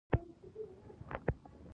د هدیرې خاوره تل د یادونو سره ښخېږي..